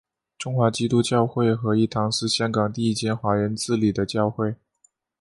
中华基督教会合一堂是香港第一间华人自理的教会。